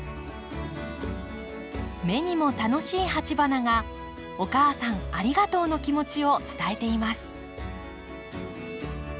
目にも楽しい鉢花が「お母さんありがとう」の気持ちを伝えています。